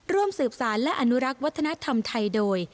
ร่วมสืบสารและอนุรักษ์วัฒนธรรมไทยโดย